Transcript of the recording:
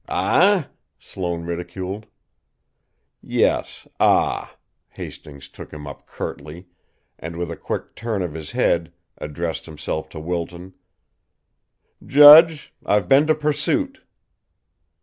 "Ah?" Sloane ridiculed. "Yes. 'Ah!'" Hastings took him up curtly, and, with a quick turn of his head, addressed himself to Wilton: "Judge, I've been to Pursuit."